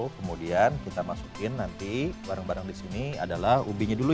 kemudian kita masukin nanti bareng bareng di sini adalah ubinya dulu ya